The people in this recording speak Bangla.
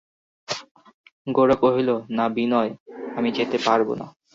গোরা কহিল, না বিনয়, আমি যেতে পারব না।